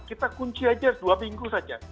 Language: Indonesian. kita kunci saja dua minggu saja